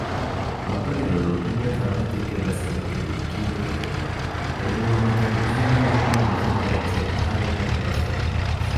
ބައްޕަގެ ލޮލުން އެންމެ ކަރުނަ ތިއްކެއްވެސް ނުވެއްޓުނީ ކީއްވެގެން ހެއްޔެވެ؟ އެމޫނުމަތިން އެހެންމީހުންނަށް ނުފެންނަ އެއްޗެއް އަހަރެނަށް އެބަފެނެ